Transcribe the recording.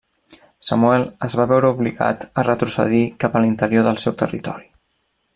Samuel es va veure obligat a retrocedir cap a l'interior del seu territori.